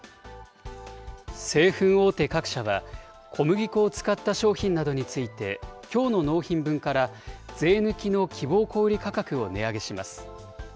製粉大手各社は、小麦粉を使った商品などについて、きょうの納品分から税抜きの希望小売り価格を値上げします。